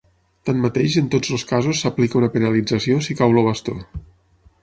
Tanmateix en tots els casos s'aplica una penalització si cau el bastó.